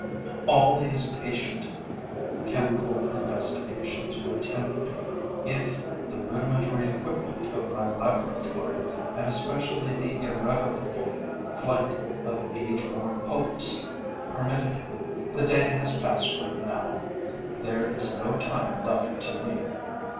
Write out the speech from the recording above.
All these patient chemical investigations would tempt me, if the rudimentary equipment of my laboratory and especially the irrevocable flight of age worn hopes permitted it. The day has passed for it now; there is no time left to me.